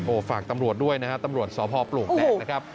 ฝากตำรวจด้วยนะฮะตำรวจสพปลวกแดงนะครับ